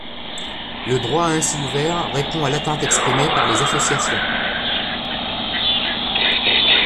Le droit ainsi ouvert répond à l’attente exprimée par les associations.